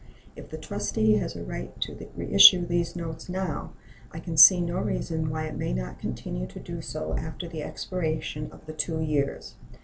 If the trustee has a right to reissue these notes now, I can see no reason why it may not continue to do so after the expiration of the two years.